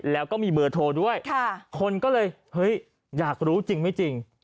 แล้วก็มีเบอร์โทรด้วยคนก็เลยเฮ้ยอยากรู้จริงไม่จริง